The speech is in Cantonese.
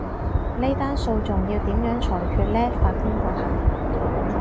呢單訴訟要點樣裁決呢，法官閣下？